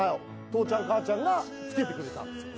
父ちゃん母ちゃんがつけてくれたんですよ